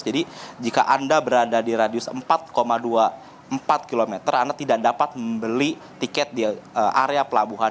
jadi jika anda berada di radius empat dua puluh empat km anda tidak dapat membeli tiket di area pelabuhan